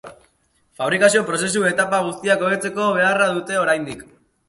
Fabrikazio prozesu etapa guztiak hobetzeko beharra dute oraindik.